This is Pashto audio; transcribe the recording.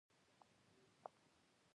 د مومن وګړي اراده اخروي ژوند ته معطوف شي.